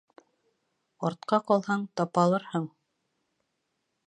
Артҡа ҡалһаң, тапалырһың.